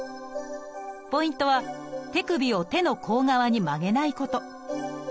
ポイントは手首を手の甲側に曲げないこと。